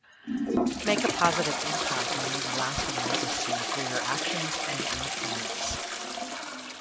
- Make a positive impact and leave a lasting legacy through your actions and influence.